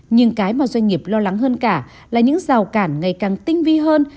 nhưng cái mà doanh nghiệp lo lắng hơn cả là những rào cản ngày càng tinh vi hơn